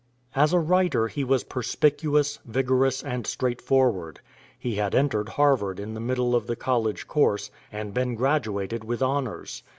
As a writer he was perspicuous, vigorous, and straightforward. He had entered Harvard in the middle of the college course, and been graduated with honors.